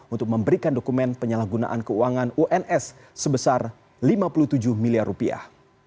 untuk memberikan dokumen penyalahgunaan keuangan uns sebesar lima puluh tujuh miliar rupiah